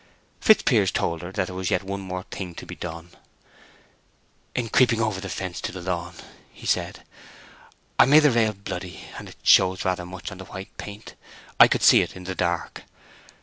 Fitzpiers told her that there was yet one thing more to be done. "In creeping over the fence on to the lawn," he said, "I made the rail bloody, and it shows rather much on the white paint—I could see it in the dark.